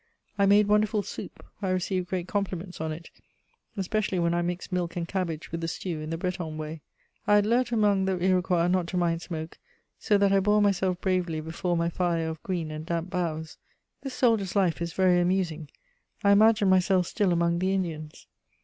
I made wonderful soup; I received great compliments on it, especially when I mixed milk and cabbage with the stew, in the Breton way. I had learnt among the Iroquois not to mind smoke, so that I bore myself bravely before my fire of green and damp boughs. This soldier's life is very amusing; I imagined myself still among the Indians.